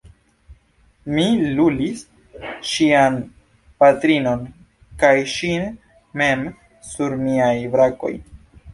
Mi lulis ŝian patrinon kaj ŝin mem sur miaj brakoj.